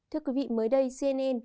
thưa quý vị mới đây cnn